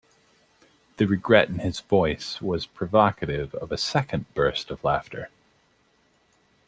The regret in his voice was provocative of a second burst of laughter.